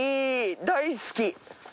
大好き！